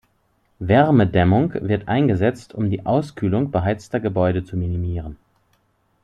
Wärmedämmung wird eingesetzt, um die Auskühlung beheizter Gebäude zu minimieren.